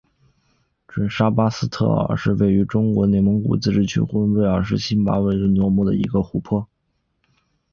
准沙巴日特是位于中国内蒙古自治区呼伦贝尔市新巴尔虎左旗巴音诺尔苏木的一个湖泊。